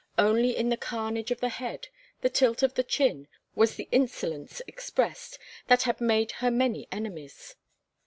Only in the carnage of the head, the tilt of the chin, was the insolence expressed that had made her many enemies.